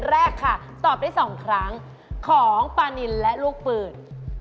แรกค่ะตอบได้๒ครั้งของปานินและลูกปืน